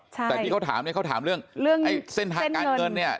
แต่ที่เขาถามเนี่ยเขาถามเรื่องไอ้เส้นทางการเงินเนี่ย